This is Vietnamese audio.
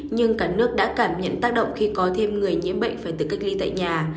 nhưng cả nước đã cảm nhận tác động khi có thêm người nhiễm bệnh phải tự cách ly tại nhà